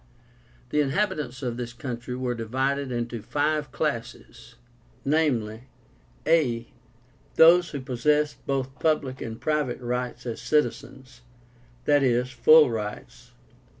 The inhabitants of this country were divided into five classes, viz. a. Those who possessed both PUBLIC and PRIVATE RIGHTS as citizens, i. e. FULL RIGHTS.